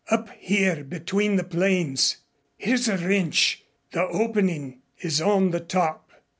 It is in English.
"Up here between the planes. Here's a wrench. The opening is on the top."